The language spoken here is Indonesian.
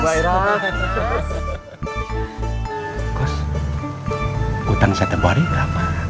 kus utang saya terbaru ini berapa